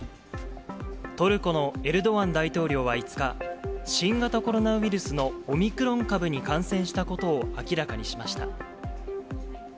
トルコのエルドアン大統領は５日、新型コロナウイルスのオミクロン株に感染したことを明らかにしました。